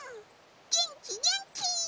げんきげんき！